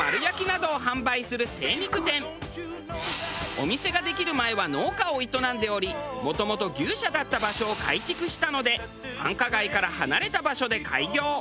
お店ができる前は農家を営んでおりもともと牛舎だった場所を改築したので繁華街から離れた場所で開業。